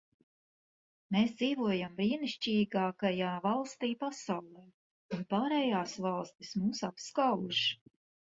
Mēs dzīvojam brīnišķīgākajā valstī pasaulē, un pārējās valstis mūs apskauž.